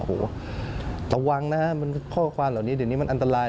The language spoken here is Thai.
โอ้โหระวังนะฮะข้อความเหล่านี้เดี๋ยวนี้มันอันตราย